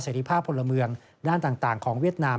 เสรี่ภาพคนละเมืองด้านต่างแน่นของเวียดนาม